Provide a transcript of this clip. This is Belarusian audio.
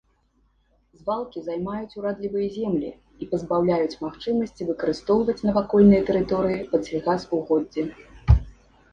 Звалкі займаюць урадлівыя землі і пазбаўляюць магчымасці выкарыстоўваць навакольныя тэрыторыі пад сельгасугоддзі.